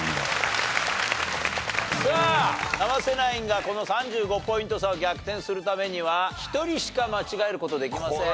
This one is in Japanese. さあ生瀬ナインがこの３５ポイント差を逆転するためには１人しか間違える事できません。